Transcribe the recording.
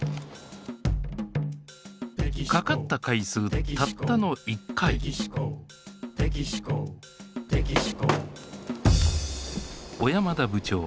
かかった回数たったの１回小山田部長